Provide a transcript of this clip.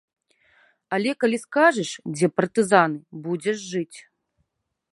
Але калі скажаш, дзе партызаны, будзеш жыць.